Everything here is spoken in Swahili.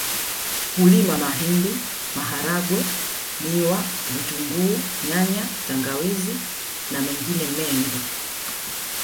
Hulima mahindi maharagwe miwa vitunguu nyanya tangawizi na mengine mengi